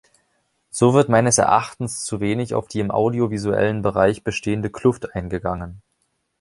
So wird meines Erachtens zu wenig auf die im audiovisuellen Bereich bestehende Kluft eingegangen.